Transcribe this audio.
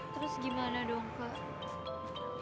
terus gimana dong kek